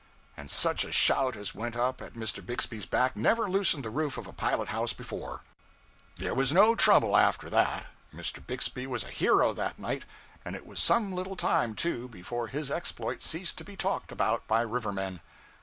And such a shout as went up at Mr. Bixby's back never loosened the roof of a pilot house before! There was no more trouble after that. Mr. Bixby was a hero that night; and it was some little time, too, before his exploit ceased to be talked about by river men.